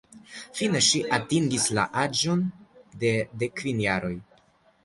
Fine ŝi atingis la aĝon de dekkvin jaroj.